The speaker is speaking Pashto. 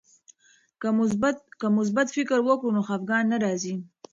که مثبت فکر وکړو نو خفګان نه راځي.